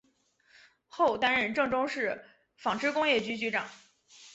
后担任郑州市纺织工业局局长。